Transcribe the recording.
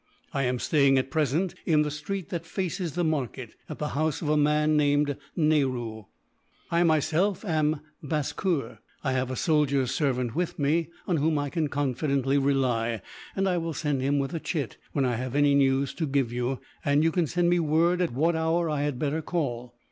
"I am staying, at present, in the street that faces the market, at the house of a man named Naroo. I myself am Bhaskur. I have a soldier servant with me, on whom I can confidently rely; and I will send him, with a chit, when I have any news to give you, and you can send me word at what hour I had better call.